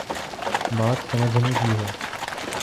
بات سمجھنے کی ہے۔